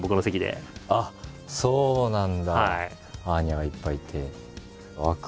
あっそうなんだ。